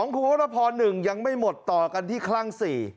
คุณวรพร๑ยังไม่หมดต่อกันที่คลั่ง๔